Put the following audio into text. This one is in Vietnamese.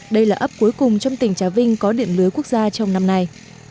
đây là ấp cuối cùng trong tỉnh trà vinh có điện lưới quốc gia trong năm nay